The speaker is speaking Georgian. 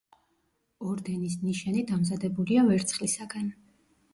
ორდენის ნიშანი დამზადებულია ვერცხლისაგან.